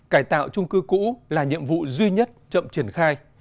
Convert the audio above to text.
cải tạo trung cư cũ là nhiệm vụ duy nhất chậm triển khai